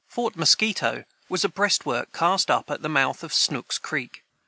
[Footnote 67: Fort Musquito was a breastwork cast up at the mouth of Snooks' creek.